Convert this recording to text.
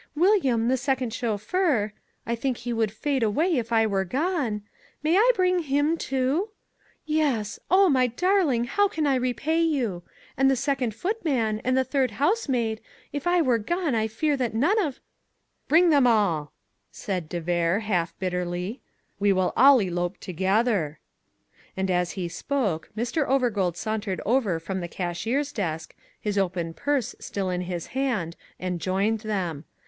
William, the second chauffeur I think he would fade away if I were gone may I bring him, too? Yes! O my darling, how can I repay you? And the second footman, and the third housemaid if I were gone I fear that none of " "Bring them all," said de Vere half bitterly; "we will all elope together." And as he spoke Mr. Overgold sauntered over from the cashier's desk, his open purse still in his hand, and joined them.